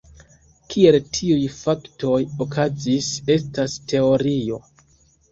Kiel tiuj faktoj okazis, estas teorio.